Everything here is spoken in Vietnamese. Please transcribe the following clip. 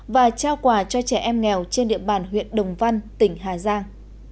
và trao quà cho trẻ em nghèo trên địa bàn huyện đồng văn tỉnh hà giang